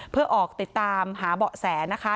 เพื่อออกติดตามหาเบาะแสนะคะ